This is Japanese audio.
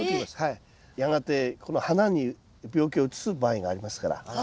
やがてこの花に病気を移す場合がありますから。